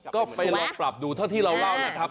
ก็ไปลองปรับดูเท่าที่เราเล่านะครับ